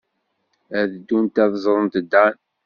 Ad ddunt ad ẓrent Dan.